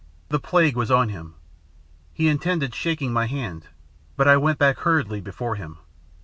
The plague was on him. He intended shaking my hand, but I went back hurriedly before him.